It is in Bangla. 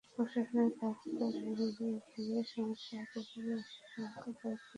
প্রশাসনিক দায়িত্ব দিলে সমস্যা হতে পারে—এই আশঙ্কায় দায়িত্ব দেওয়া হচ্ছে না।